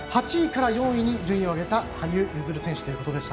８位から４位に順位を上げた羽生結弦選手。